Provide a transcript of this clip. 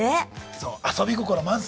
そう遊び心満載。